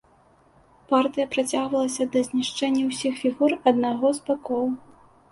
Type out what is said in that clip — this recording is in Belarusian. Партыя працягвалася да знішчэння ўсіх фігур аднаго з бакоў.